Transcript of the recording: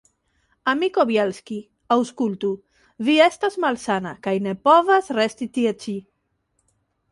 Amiko Bjelski, aŭskultu: vi estas malsana kaj ne povas resti tie ĉi.